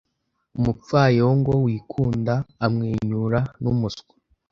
Umupfayongo wikunda amwenyura numuswa